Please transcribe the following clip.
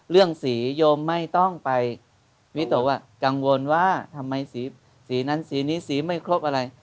สีโยมไม่ต้องไปวิตกว่ากังวลว่าทำไมสีนั้นสีนี้สีไม่ครบอะไร